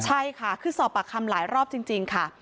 ใช่ค่ะคือสอบปากคำหลายรอบจริงค่ะ